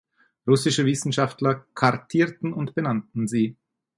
Russische Wissenschaftler kartierten und benannten sie.